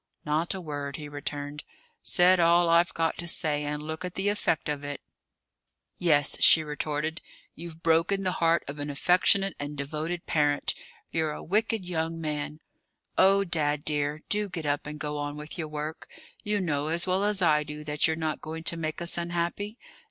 "Not a word," he returned. "Said all I've got to say. And look at the effect of it!" "Yes," she retorted. "You've broken the heart of an affectionate and devoted parent. You're a wicked young man. Oh, dad dear, do get up and go on with your work! You know as well as I do that you're not going to make us unhappy?